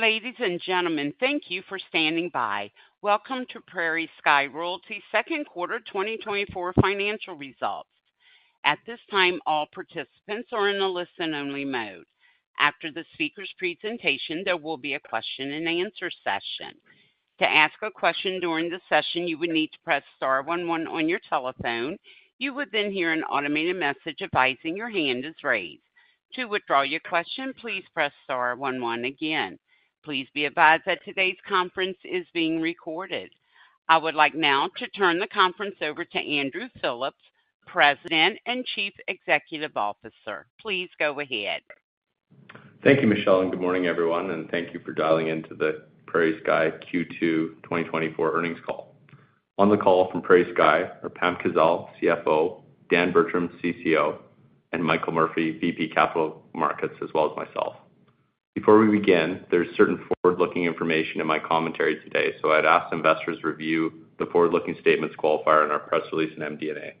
Ladies and gentlemen, thank you for standing by. Welcome to PrairieSky Royalty Second Quarter 2024 financial results. At this time, all participants are in a listen-only mode. After the speaker's presentation, there will be a question and answer session. To ask a question during the session, you would need to press star one one on your telephone. You would then hear an automated message advising your hand is raised. To withdraw your question, please press *11 again. Please be advised that today's conference is being recorded. I would like now to turn the conference over to Andrew Phillips, President and Chief Executive Officer. Please go ahead. Thank you, Michelle, and good morning, everyone, and thank you for dialing into the PrairieSky Q2 2024 earnings call. On the call from PrairieSky are Pam Krizan, CFO, Dan Bertram, CCO, and Michael Murphy, VP Capital Markets, as well as myself. Before we begin, there's certain forward-looking information in my commentary today, so I'd ask investors review the forward-looking statements qualifier in our press release in MD&A.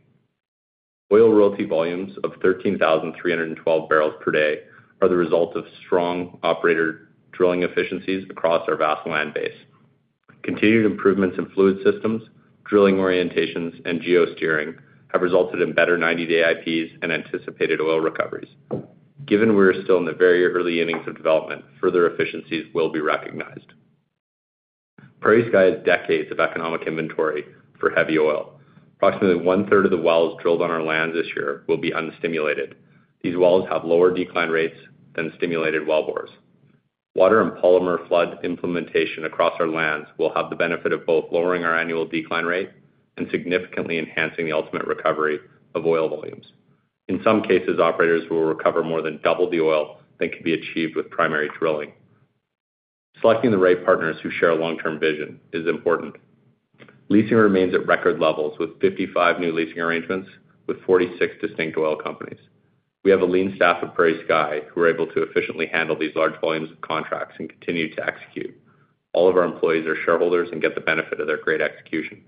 Oil royalty volumes of 13,312 barrels per day are the result of strong operator drilling efficiencies across our vast land base. Continued improvements in fluid systems, drilling orientations, and geo-steering have resulted in better 90-day IPs and anticipated oil recoveries. Given we are still in the very early innings of development, further efficiencies will be recognized. PrairieSky has decades of economic inventory for heavy oil. Approximately one-third of the wells drilled on our lands this year will be unstimulated. These wells have lower decline rates than stimulated wellbores. Water and polymer flood implementation across our lands will have the benefit of both lowering our annual decline rate and significantly enhancing the ultimate recovery of oil volumes. In some cases, operators will recover more than double the oil than can be achieved with primary drilling. Selecting the right partners who share a long-term vision is important. Leasing remains at record levels with 55 new leasing arrangements with 46 distinct oil companies. We have a lean staff at PrairieSky who are able to efficiently handle these large volumes of contracts and continue to execute. All of our employees are shareholders and get the benefit of their great execution.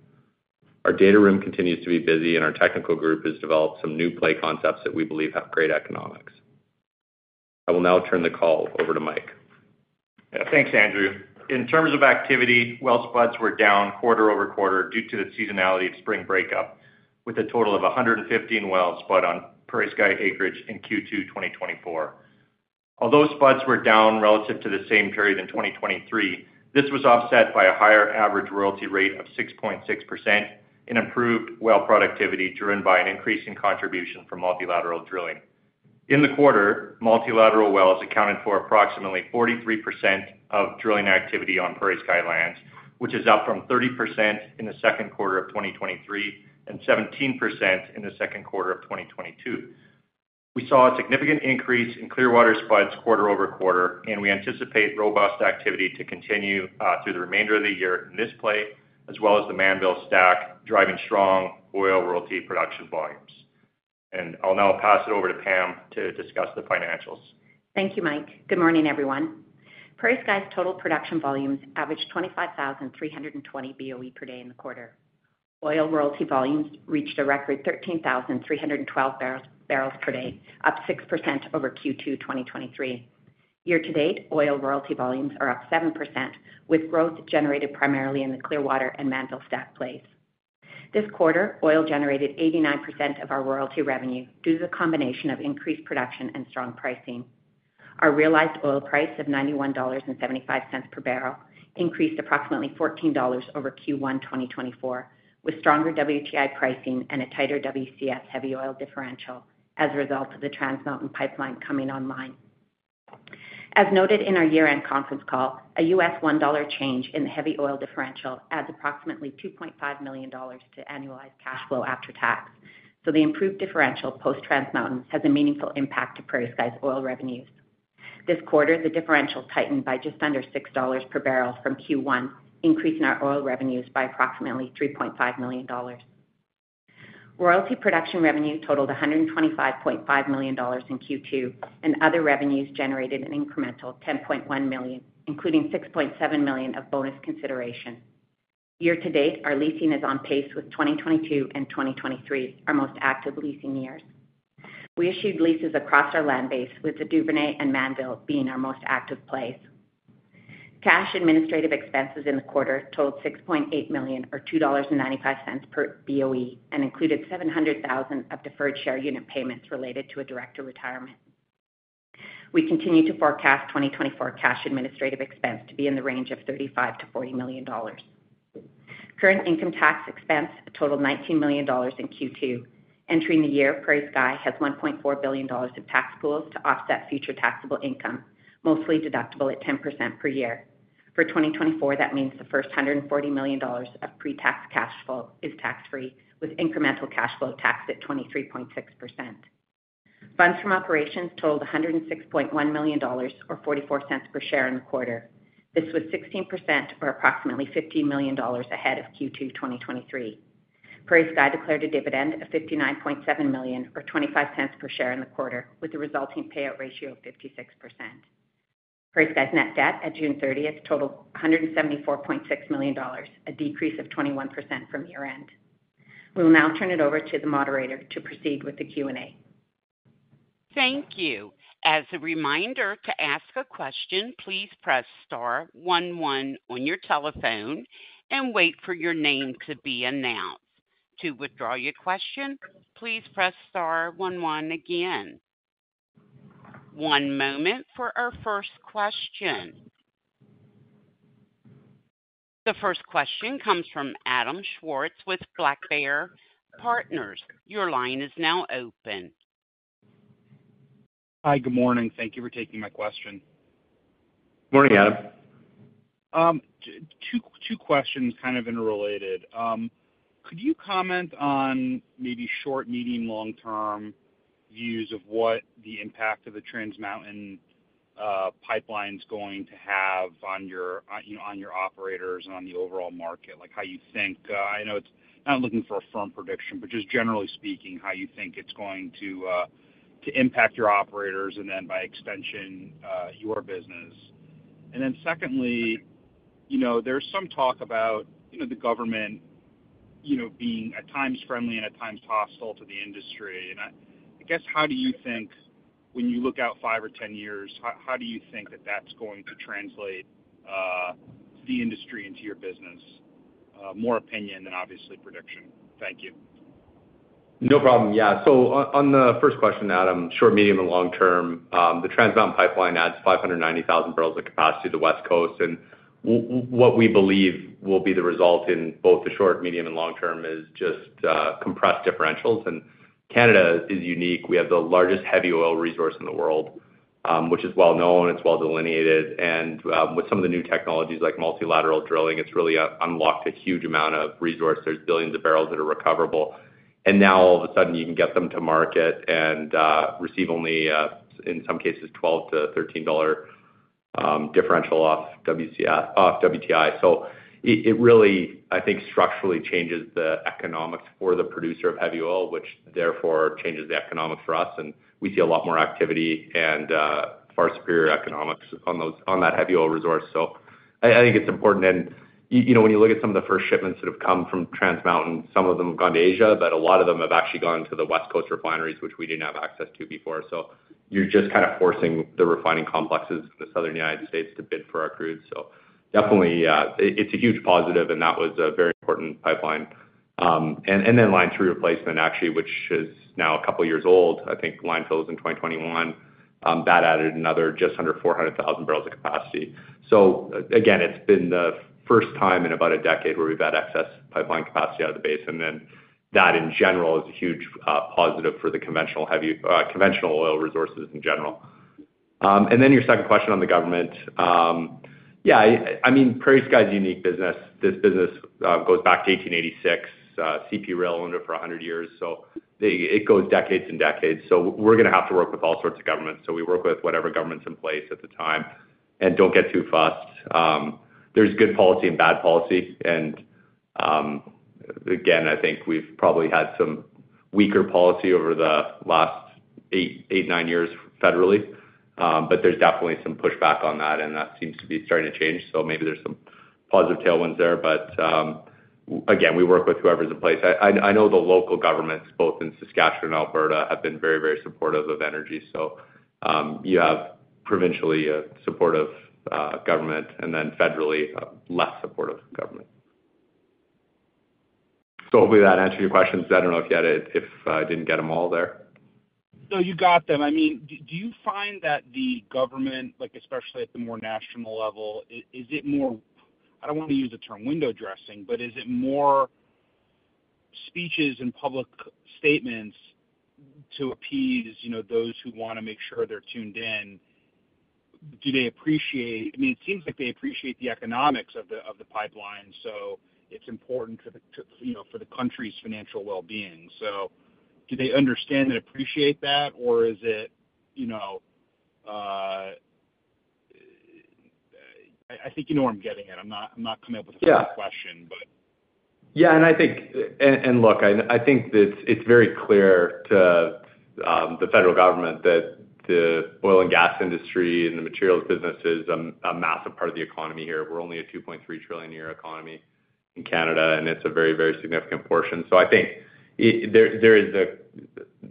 Our data room continues to be busy, and our technical group has developed some new play concepts that we believe have great economics. I will now turn the call over to Mike. Yeah. Thanks, Andrew. In terms of activity, well spuds were down quarter-over-quarter due to the seasonality of spring breakup, with a total of 115 wells spud on PrairieSky acreage in Q2 2024. Although spuds were down relative to the same period in 2023, this was offset by a higher average royalty rate of 6.6% and improved well productivity, driven by an increase in contribution from multilateral drilling. In the quarter, multilateral wells accounted for approximately 43% of drilling activity on PrairieSky lands, which is up from 30% in the second quarter of 2023 and 17% in the second quarter of 2022. We saw a significant increase in Clearwater spuds quarter over quarter, and we anticipate robust activity to continue through the remainder of the year in this play, as well as the Mannville Stack, driving strong oil royalty production volumes. I'll now pass it over to Pam to discuss the financials. Thank you, Mike. Good morning, everyone. PrairieSky's total production volumes averaged 25,300 BOE per day in the quarter. Oil royalty volumes reached a record 13,312 barrels per day, up 6% over Q2 2023. Year to date, oil royalty volumes are up 7%, with growth generated primarily in the Clearwater and Mannville Stack plays. This quarter, oil generated 89% of our royalty revenue due to the combination of increased production and strong pricing. Our realized oil price of 91.75 dollars per barrel increased approximately 14 dollars over Q1 2024, with stronger WTI pricing and a tighter WCS heavy oil differential as a result of the Trans Mountain Pipeline coming online. As noted in our year-end conference call, a $1 change in the heavy oil differential adds approximately 2.5 million dollars to annualized cash flow after tax. So the improved differential post-Trans Mountain has a meaningful impact to PrairieSky's oil revenues. This quarter, the differential tightened by just under $6 per barrel from Q1, increasing our oil revenues by approximately 3.5 million dollars. Royalty production revenue totaled 125.5 million dollars in Q2, and other revenues generated an incremental 10.1 million, including 6.7 million of bonus consideration. Year to date, our leasing is on pace with 2022 and 2023, our most active leasing years. We issued leases across our land base, with the Duvernay and Mannville being our most active plays. Cash administrative expenses in the quarter totaled 6.8 million, or 2.95 dollars per BOE, and included 700,000 of deferred share unit payments related to a director retirement. We continue to forecast 2024 cash administrative expense to be in the range of 35 million-40 million dollars. Current income tax expense totaled 19 million dollars in Q2. Entering the year, PrairieSky has 1.4 billion dollars in tax pools to offset future taxable income, mostly deductible at 10% per year. For 2024, that means the first 140 million dollars of pre-tax cash flow is tax-free, with incremental cash flow taxed at 23.6%. Funds from operations totaled 106.1 million dollars, or 0.44 per share in the quarter. This was 16% or approximately 15 million dollars ahead of Q2 2023. PrairieSky declared a dividend of 59.7 million, or 0.25 per share in the quarter, with a resulting payout ratio of 56%. PrairieSky's net debt at June 30 totaled 174.6 million dollars, a decrease of 21% from year-end. We will now turn it over to the moderator to proceed with the Q&A.... Thank you. As a reminder, to ask a question, please press star one one on your telephone and wait for your name to be announced. To withdraw your question, please press star one one again. One moment for our first question. The first question comes from Adam Schwartz with Black Bear Partners. Your line is now open. Hi, good morning. Thank you for taking my question. Morning, Adam. Two questions kind of interrelated. Could you comment on maybe short, medium, long-term views of what the impact of the Trans Mountain pipeline is going to have on your, you know, on your operators and on the overall market? Like, how you think, I know it's... I'm not looking for a firm prediction, but just generally speaking, how you think it's going to to impact your operators and then by extension your business. And then secondly, you know, there's some talk about, you know, the government, you know, being at times friendly and at times hostile to the industry. And I guess, how do you think when you look out five or 10 years, how do you think that that's going to translate the industry into your business? More opinion than obviously prediction. Thank you. No problem. Yeah, so on the first question, Adam, short, medium, and long term, the Trans Mountain Pipeline adds 590,000 barrels of capacity to the West Coast, and what we believe will be the result in both the short, medium, and long term is just compressed differentials. Canada is unique. We have the largest heavy oil resource in the world, which is well known, it's well delineated, and with some of the new technologies like multilateral drilling, it's really unlocked a huge amount of resource. There's billions of barrels that are recoverable, and now all of a sudden, you can get them to market and receive only, in some cases, $12-$13 differential off WCS off WTI. So it really, I think, structurally changes the economics for the producer of heavy oil, which therefore changes the economics for us, and we see a lot more activity and far superior economics on those, on that heavy oil resource. So I think it's important. And you know, when you look at some of the first shipments that have come from Trans Mountain, some of them have gone to Asia, but a lot of them have actually gone to the West Coast refineries, which we didn't have access to before. So you're just kind of forcing the refining complexes in the southern United States to bid for our crude. So definitely, it's a huge positive, and that was a very important pipeline. And then Line 3 replacement, actually, which is now a couple of years old, I think Line 3 fills in 2021, that added another just under 400,000 barrels of capacity. So again, it's been the first time in about a decade where we've had excess pipeline capacity out of the basin, and that, in general, is a huge positive for the conventional heavy conventional oil resources in general. And then your second question on the government. Yeah, I mean, PrairieSky is a unique business. This business goes back to 1886. CP Rail owned it for 100 years, so they... It goes decades and decades. So we're gonna have to work with all sorts of governments. So we work with whatever government's in place at the time and don't get too fussed. There's good policy and bad policy, and again, I think we've probably had some weaker policy over the last 8, 8, 9 years federally. But there's definitely some pushback on that, and that seems to be starting to change. So maybe there's some positive tailwinds there, but again, we work with whoever's in place. I know the local governments, both in Saskatchewan and Alberta, have been very, very supportive of energy. So you have provincially a supportive government and then federally less supportive government. So hopefully that answered your questions. I don't know if you had it, if I didn't get them all there. No, you got them. I mean, do you find that the government, like especially at the more national level, is it more, I don't want to use the term window dressing, but is it more speeches and public statements to appease, you know, those who want to make sure they're tuned in? Do they appreciate... I mean, it seems like they appreciate the economics of the, of the pipeline, so it's important for the, to, you know, for the country's financial well-being. So do they understand and appreciate that, or is it, you know, I think you know where I'm getting at. I'm not, I'm not coming up with- Yeah... a question, but. Yeah, and I think, look, I think that it's very clear to the federal government that the oil and gas industry and the materials business is a massive part of the economy here. We're only a 2.3 trillion a year economy in Canada, and it's a very, very significant portion. So I think there is a...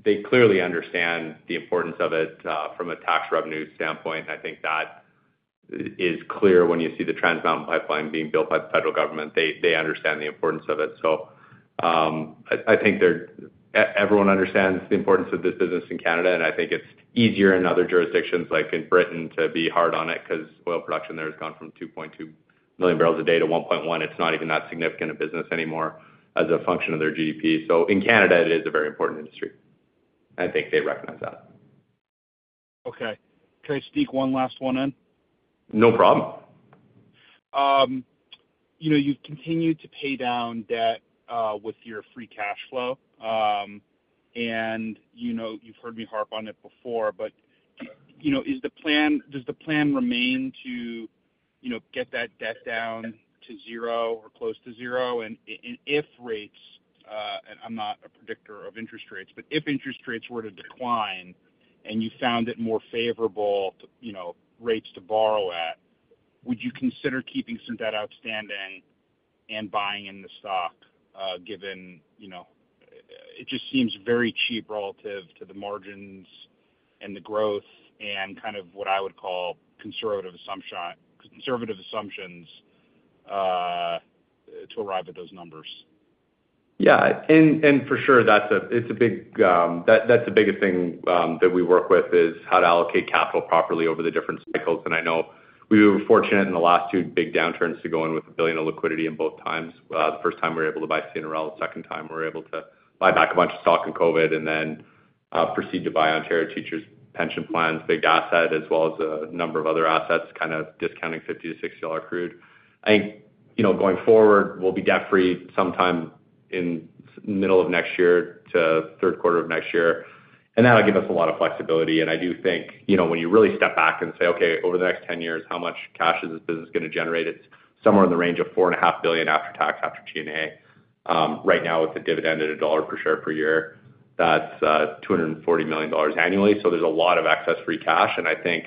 They clearly understand the importance of it from a tax revenue standpoint. I think that is clear when you see the Trans Mountain pipeline being built by the federal government. They understand the importance of it. So, I think everyone understands the importance of this business in Canada, and I think it's easier in other jurisdictions, like in Britain, to be hard on it because oil production there has gone from 2.2 million barrels a day to 1.1. It's not even that significant a business anymore as a function of their GDP. So in Canada, it is a very important industry, and I think they recognize that. Okay. Can I sneak one last one in? No problem. You know, you've continued to pay down debt with your free cash flow. And you know, you've heard me harp on it before, but, you know, is the plan - does the plan remain to, you know, get that debt down to zero or close to zero? And if rates, and I'm not a predictor of interest rates, but if interest rates were to decline and you found it more favorable to, you know, rates to borrow at... Would you consider keeping some debt outstanding and buying in the stock, given, you know, it just seems very cheap relative to the margins and the growth and kind of what I would call conservative assumptions to arrive at those numbers? Yeah, and for sure, that's a big, that's the biggest thing that we work with, is how to allocate capital properly over the different cycles. And I know we were fortunate in the last two big downturns to go in with 1 billion of liquidity in both times. The first time, we were able to buy CNRL, the second time, we were able to buy back a bunch of stock in COVID, and then proceed to buy Ontario Teachers' Pension Plan's big asset, as well as a number of other assets, kind of discounting $50-$60 crude. I think, you know, going forward, we'll be debt-free sometime in middle of next year to third quarter of next year, and that'll give us a lot of flexibility. And I do think, you know, when you really step back and say, "Okay, over the next 10 years, how much cash is this business going to generate?" It's somewhere in the range of 4.5 billion after tax, after G&A. Right now, with the dividend at CAD 1 per share per year, that's, two hundred and forty million dollars annually. So there's a lot of excess free cash, and I think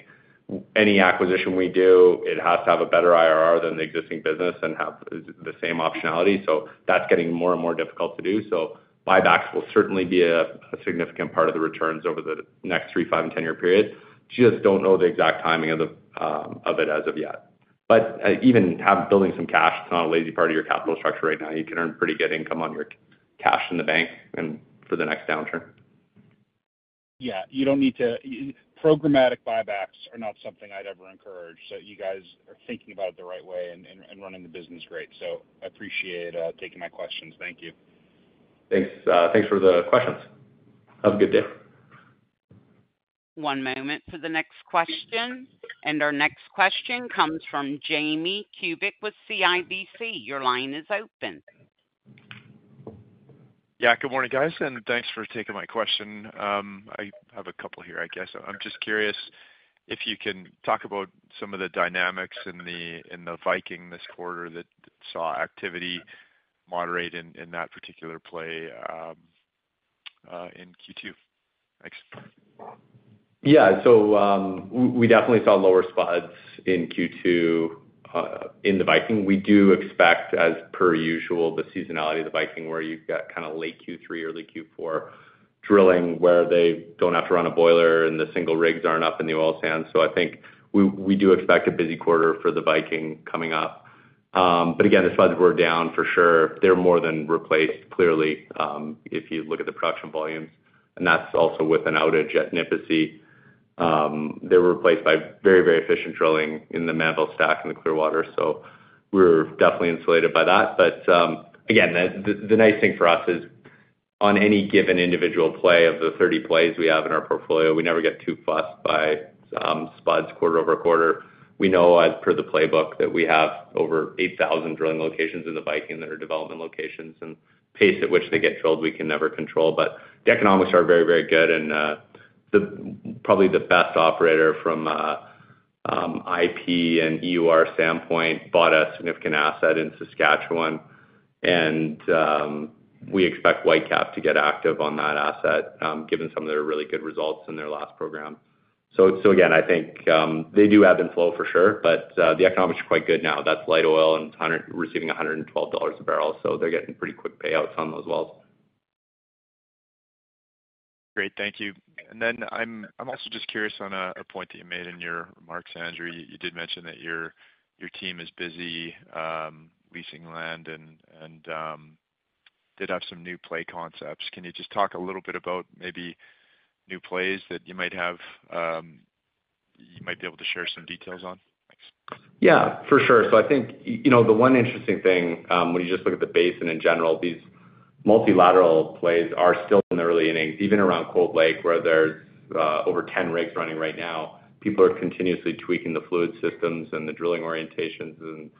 any acquisition we do, it has to have a better IRR than the existing business and have the, the same optionality. So that's getting more and more difficult to do. So buybacks will certainly be a, a significant part of the returns over the next 3, 5, and 10-year period. Just don't know the exact timing of the, of it as of yet. But even having built some cash, it's not a lazy part of your capital structure right now. You can earn pretty good income on your cash in the bank and for the next downturn. Yeah, you don't need to... programmatic buybacks are not something I'd ever encourage. So you guys are thinking about it the right way and running the business great. So I appreciate taking my questions. Thank you. Thanks. Thanks for the questions. Have a good day. One moment for the next question. Our next question comes from Jamie Kubik with CIBC. Your line is open. Yeah, good morning, guys, and thanks for taking my question. I have a couple here, I guess. I'm just curious if you can talk about some of the dynamics in the Viking this quarter that saw activity moderate in that particular play, in Q2. Thanks. Yeah. So, we definitely saw lower spuds in Q2, in the Viking. We do expect, as per usual, the seasonality of the Viking, where you've got kind of late Q3 or late Q4 drilling, where they don't have to run a boiler and the single rigs aren't up in the oil sand. So I think we do expect a busy quarter for the Viking coming up. But again, the spuds were down for sure. They're more than replaced, clearly, if you look at the production volumes, and that's also with an outage at Nipisi. They were replaced by very, very efficient drilling in the Mannville Stack and the Clearwater, so we're definitely insulated by that. But, again, the nice thing for us is, on any given individual play, of the 30 plays we have in our portfolio, we never get too fussed by, spuds quarter over quarter. We know, as per the playbook, that we have over 8,000 drilling locations in the Viking that are development locations, and pace at which they get drilled, we can never control. But the economics are very, very good and, the... Probably the best operator from a, IP and EUR standpoint, bought a significant asset in Saskatchewan, and, we expect Whitecap to get active on that asset, given some of their really good results in their last program. So, so again, I think, they do ebb and flow, for sure, but, the economics are quite good now. That's light oil, they're receiving $112 a barrel, so they're getting pretty quick payouts on those wells. Great. Thank you. And then I'm also just curious on a point that you made in your remarks, Andrew. You did mention that your team is busy leasing land and did have some new play concepts. Can you just talk a little bit about maybe new plays that you might have, you might be able to share some details on? Thanks. Yeah, for sure. So I think, you know, the one interesting thing, when you just look at the basin in general, these multilateral plays are still in the early innings, even around Cold Lake, where there's, over 10 rigs running right now. People are continuously tweaking the fluid systems and the drilling orientations and,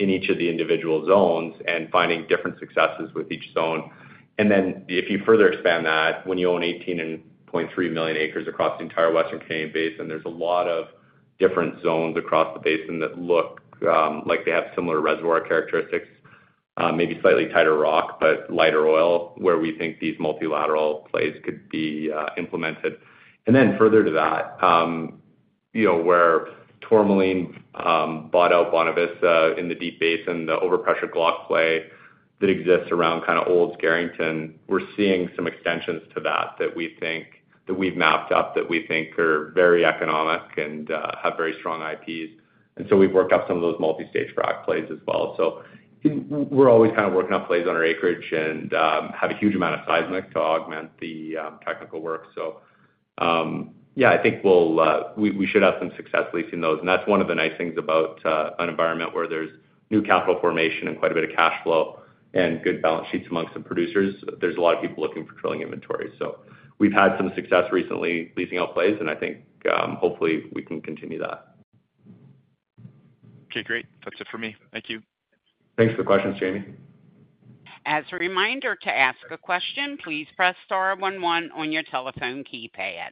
in each of the individual zones, and finding different successes with each zone. And then if you further expand that, when you own 18.3 million acres across the entire Western Canadian basin, there's a lot of different zones across the basin that look, like they have similar reservoir characteristics. Maybe slightly tighter rock, but lighter oil, where we think these multilateral plays could be, implemented. And then further to that, you know, where Tourmaline bought out Bonavista in the Deep Basin, the overpressured Glauc play that exists around kind of Olds-Garrington, we're seeing some extensions to that, that we've mapped out, that we think are very economic and have very strong IPs. And so we've worked out some of those multi-stage rock plays as well. So we're always kind of working on plays on our acreage and have a huge amount of seismic to augment the technical work. So, yeah, I think we'll, we should have some success leasing those. And that's one of the nice things about an environment where there's new capital formation and quite a bit of cash flow and good balance sheets amongst the producers. There's a lot of people looking for drilling inventory. We've had some success recently leasing out plays, and I think, hopefully, we can continue that. Okay, great. That's it for me. Thank you. Thanks for the questions, Jamie. As a reminder, to ask a question, please press star one one on your telephone keypad.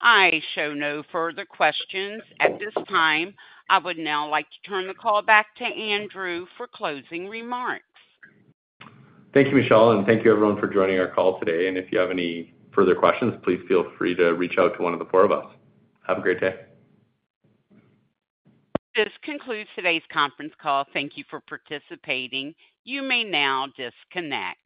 I show no further questions at this time. I would now like to turn the call back to Andrew for closing remarks. Thank you, Michelle, and thank you everyone for joining our call today. If you have any further questions, please feel free to reach out to one of the four of us. Have a great day. This concludes today's conference call. Thank you for participating. You may now disconnect.